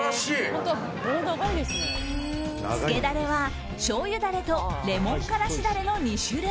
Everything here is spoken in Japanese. つけダレは、しょうゆダレとレモンからしダレの２種類。